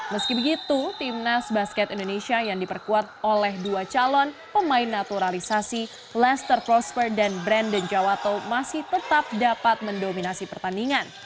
meski begitu timnas basket indonesia yang diperkuat oleh dua calon pemain naturalisasi lester prosper dan brandon jawato masih tetap dapat mendominasi pertandingan